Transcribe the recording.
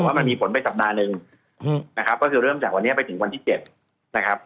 มันมีผลไปสัปดาห์หนึ่งนะครับก็คือเริ่มจากวันนี้ไปถึงวันที่๗นะครับ